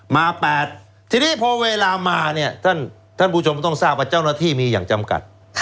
มา๘ทีนี้พอเวลามาเนี่ยท่านผู้ชมต้องทราบว่าเจ้าหน้าที่มีอย่างจำกัด